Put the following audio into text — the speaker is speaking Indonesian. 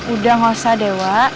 udah gak usah dewa